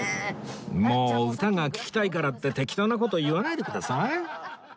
もう歌が聴きたいからって適当な事言わないでください！